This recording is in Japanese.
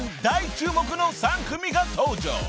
大注目の３組が登場］